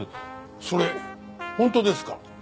それ本当ですか？